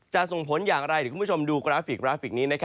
จะส่งผลอย่างไรคุณผู้ชมดูกราฟิกนี้